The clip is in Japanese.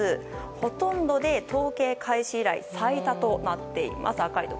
ほとんどで統計開始以来最多となっています。